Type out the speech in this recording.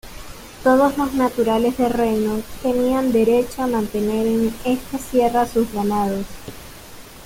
Todos los naturales del reino tenían derecho a mantener en esta sierra sus ganados.